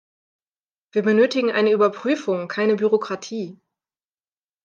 Wir benötigen eine Überprüfung, keine Bürokratie.